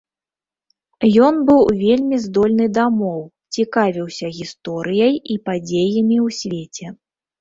Ён быў вельмі здольны да моў, цікавіўся гісторыяй і падзеямі ў свеце.